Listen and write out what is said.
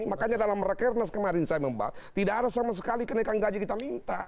makanya dalam rakernas kemarin saya membahas tidak ada sama sekali kenaikan gaji kita minta